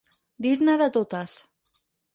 Dir-ne de totes.